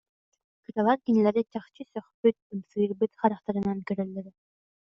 Кыралар кинилэри чахчы сөхпүт, ымсыырбыт харахтарынан кө- рөллөрө